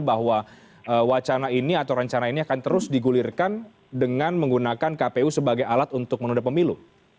bahwa wacana ini atau rencana ini akan terus digulirkan dengan menggunakan kpu sebagai alat untuk menunda pemilu